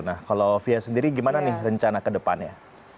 nah kalau fia sendiri gimana nih rencana ke depannya